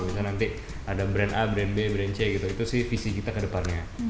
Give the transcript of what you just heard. misalnya nanti ada brand a brand brand c gitu itu sih visi kita ke depannya